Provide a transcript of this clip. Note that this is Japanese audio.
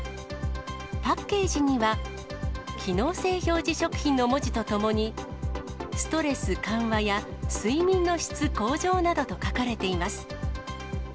パッケージには、機能性表示食品の文字とともに、ストレス緩和や、睡眠の質向上などと書かれています。